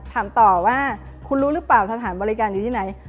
ถามต่อว่าคุณรู้หรือเปล่าสถานบริการอยู่ที่ไหน